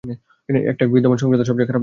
এটাই বিদ্যমান সহিংসতার সবচেয়ে খারাপ ধরণ।